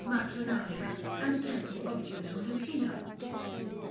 MATRONALIA, AND TEMPLE OF JUNO LUCINA.